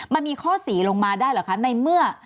มันมีข้อ๔ลงมาได้เหรอคะในเมื่อ